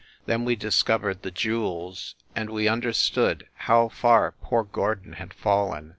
Then we discovered the jewels, and we understood how far poor Gordon had fallen